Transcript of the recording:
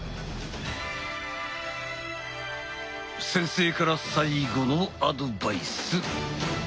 先生から最後のアドバイス！